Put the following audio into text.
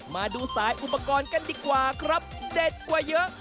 มาดูสายอุปกรณ์กันดีกว่าครับเด็ดกว่าเยอะ